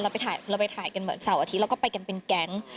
เราไปถ่ายกันเหมือนเสาร์อาทิตย์เราก็ไปกันเป็นแก๊ง